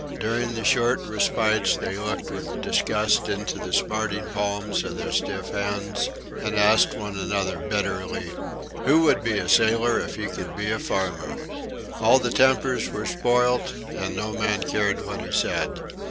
During the short respites they looked with disgust into the smarting palms of their stiff hands, and asked one another bitterly: "Who would be a sailor if he could be a farmer?" All the tempers were spoilt, and no man cared what he said.